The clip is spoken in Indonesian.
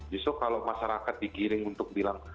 justru kalau masyarakat digiring untuk bilang